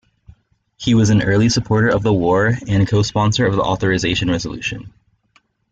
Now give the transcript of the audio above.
He was an early supporter of the war, and cosponsor of the authorization resolution.